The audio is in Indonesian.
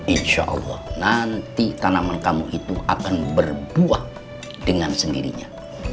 insya allah nanti tanaman kamu itu akan berbuah dengan sendirinya